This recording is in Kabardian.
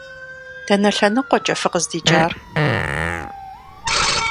Дэнэ лъэныкъуэкӏэ фыкъыздикӏар?